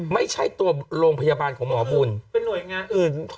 ไม่ใช่ตัวโรงพยาบาลของหมอบุญเป็นหน่วยงานอื่น